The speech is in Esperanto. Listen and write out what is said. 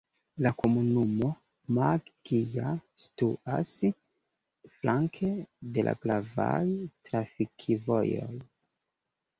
La komunumo Maggia situas flanke de la gravaj trafikvojoj.